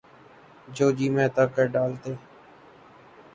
جو جی میں آتا کر ڈالتے۔